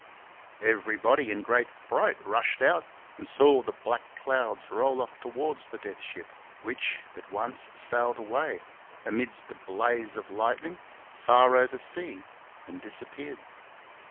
Everybody, in great fright, rushed out and saw the black clouds roll off towards the death ship, which, at once, sailed away — amidst a blaze of light ning — far over sea, and disappeared.